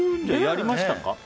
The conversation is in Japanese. やりました。